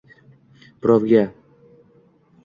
birovga.